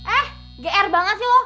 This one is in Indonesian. eh gr banget sih lo